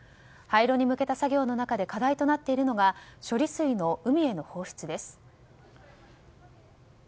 廃炉に向けた作業の中で課題となっているのが処理水の海への放出です。